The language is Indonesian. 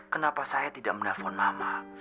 kenapa saya tidak menelpon mama